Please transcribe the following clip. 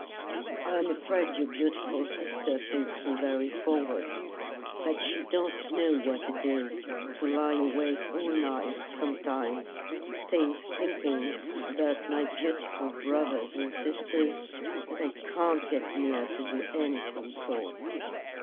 I'm afraid your beautiful sister thinks me very forward. But she don't know what it is to lie awake all night sometimes, think thinking about my beautiful brothers and sisters that I can't get near to do anything for."